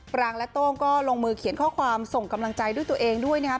ปรางและโต้งก็ลงมือเขียนข้อความส่งกำลังใจด้วยตัวเองด้วยนะครับ